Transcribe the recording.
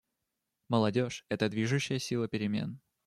Молодежь — это движущая сила перемен.